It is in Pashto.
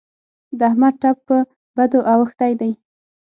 د احمد ټپ په بدو اوښتی دی.